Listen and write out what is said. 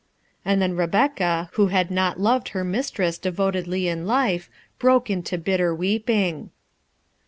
'" And then Rebecca, who had not loved her mistress devotedly in life, broke into bitterer, ing.